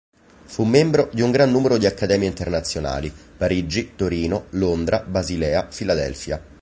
Fu membro di un gran numero di accademie internazionali: Parigi, Torino, Londra, Basilea, Filadelfia.